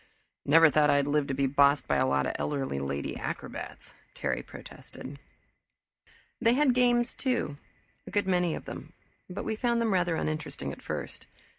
"Never thought I'd live to be bossed by a lot of elderly lady acrobats," Terry protested. They had games, too, a good many of them, but we found them rather uninteresting at first.